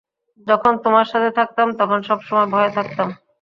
যখন তোমার সাথে থাকতাম, তখন সবসময় ভয়ে থাকতাম।